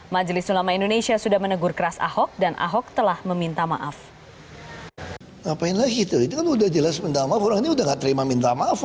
majelis ulama indonesia sudah menegur keras ahok dan ahok telah meminta maaf